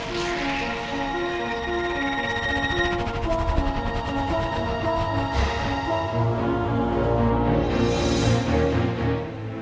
terima kasih banyak